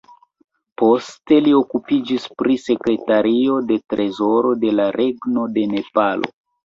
Poste li okupiĝis pri sekretario de trezoro de la Regno de Napolo.